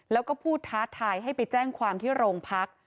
แล้วก็พูดท้าทายให้ไปแจ้งความที่โรงพัก